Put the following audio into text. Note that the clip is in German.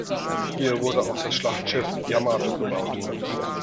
Hier wurde auch das Schlachtschiff "Yamato" gebaut.